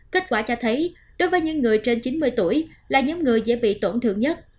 kết quả cho thấy đối với những người trên chín mươi tuổi là những người dễ bị tổn thương nhất